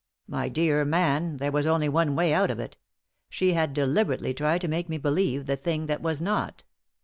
My dear man, there was only one way out of it ; she had deliberately tried to make me believe the thing that was not.